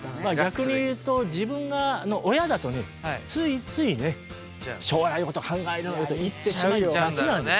逆に言うと自分があの親だとねついついね「将来のこと考えろ」なんて言ってしまいがちなんです。